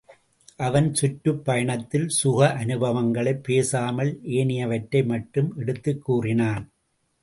அவன் சுற்றுப் பயணத்தில் சுக அனுபவங்களைப் பேசாமல் ஏனையவற்றை மட்டும் எடுத்துக் கூறினான்.